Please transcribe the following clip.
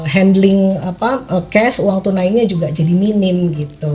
handling cash uang tunainya juga jadi minim gitu